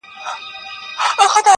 o زوى ئې غوښت، خېر ئې نه غوښت.